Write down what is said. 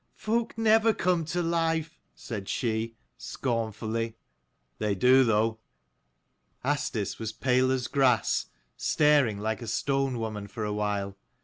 Folk never come to life," 226 said she, scornfully. " They do, though.' 5 Asdis was pale as grass, staring like a stone woman for a while.